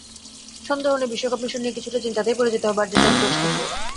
সন্দেহ নেই, বিশ্বকাপ মিশন নিয়ে কিছুটা চিন্তাতেই পড়ে যেতে হবে আর্জেন্টাইন কোচকে।